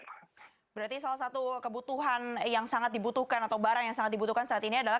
berarti salah satu kebutuhan yang sangat dibutuhkan atau barang yang sangat dibutuhkan saat ini adalah